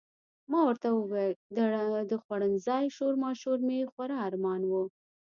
ما ورته وویل د خوړنځای شورماشور مې خورا ارمان و.